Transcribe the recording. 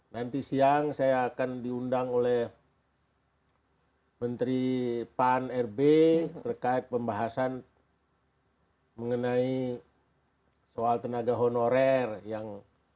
nanti siang saya akan diundang oleh menteri pan rb terkait pembahasan mengenai soal tenaga honorer yang